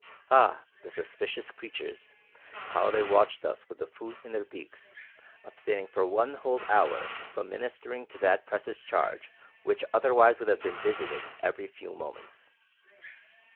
Ah, the suspicious creatures, how they watched us with the food in their beaks, abstaining for one whole hour from ministering to that precious charge which otherwise would have been visited every few moments!